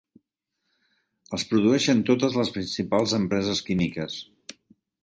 Els produeixen totes les principals empreses químiques.